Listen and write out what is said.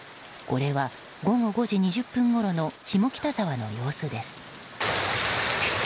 これは午後５時２０分ごろの下北沢の様子です。